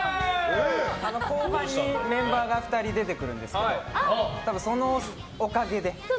後半にメンバーが２人出てくるんですけどそのおかげで。